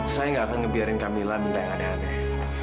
saya gak akan ngebiarin kamilah minta yang aneh aneh